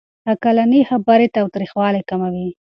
عقلاني خبرې تاوتريخوالی کموي.